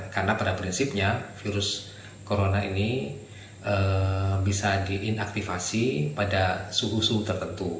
karena pada prinsipnya virus corona ini bisa di inaktivasi pada suhu suhu tertentu